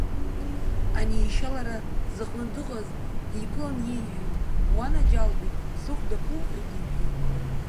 Ани иашьа лара зыҟны дыҟаз диԥылан иеиҳәеит, Уанаџьалбеит, сыхәда ԥуҟеит, — иҳәеит.